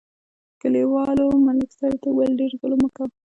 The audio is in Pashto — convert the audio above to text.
کلیوالو ملک صاحب ته وویل: ډېر ظلم مه کوه.